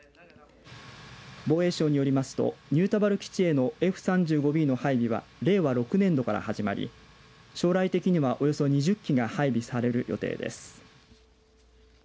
防衛省によりますと新田原基地へのＦ３５Ｂの配備は令和６年度から始まり将来的にはおよそ２０機が配備される予定です。